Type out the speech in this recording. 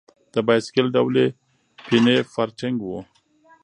د بایسکل ډول یې پیني فارټېنګ و.